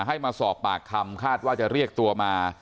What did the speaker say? ให้มาสอบปากคำคาดว่าจะเรียกตัวมา